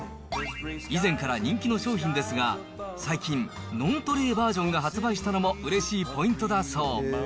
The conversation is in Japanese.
以前から人気の商品ですが、最近、ノントレイバージョンが発売したのもうれしいポイントだそう。